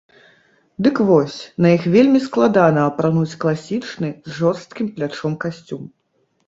Дык вось, на іх вельмі складана апрануць класічны з жорсткім плячом касцюм.